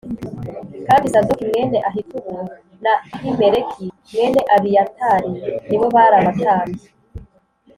Kandi Sadoki mwene Ahitubu na Ahimeleki mwene Abiyatari ni bo bari abatambyi